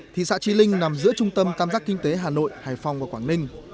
thị xã trí linh nằm giữa trung tâm tam giác kinh tế hà nội hải phòng và quảng ninh